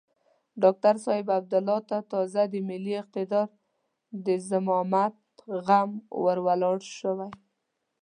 ډاکتر صاحب عبدالله ته تازه د ملي اقتدار د زعامت غم ور ولاړ شوی.